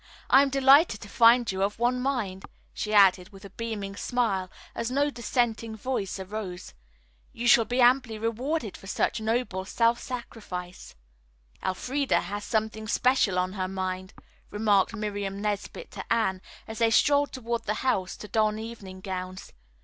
I am delighted to find you of one mind," she added, with a beaming smile, as no dissenting voice arose. "You shall be amply rewarded for such noble self sacrifice." "Elfreda has something special on her mind," remarked Miriam Nesbit to Anne, as they strolled toward the house to don evening gowns.